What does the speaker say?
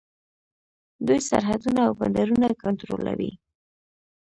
دوی سرحدونه او بندرونه کنټرولوي.